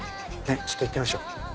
ちょっと行ってみましょう。